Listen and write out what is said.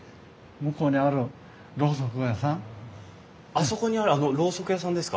あそこにあるあのろうそく屋さんですか。